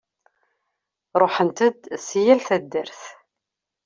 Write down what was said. Ṛuḥen-d si yal taddart.